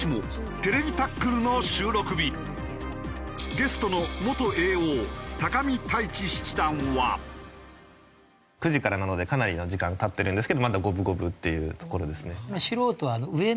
ゲストの９時からなのでかなりの時間経ってるんですけどまだ五分五分っていうところですね。